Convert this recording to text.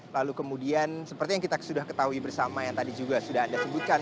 lalu kemudian seperti yang kita sudah ketahui bersama yang tadi juga sudah anda sebutkan